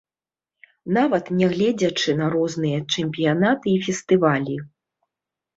Нават нягледзячы на розныя чэмпіянаты і фестывалі.